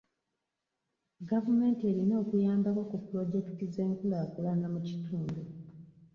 Gavumenti erina okuyambako ku pulojekiti z'enkulaakulana mu kitundu.